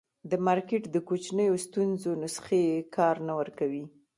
د مارکېټ د کوچنیو ستونزو نسخې کار نه ورکوي.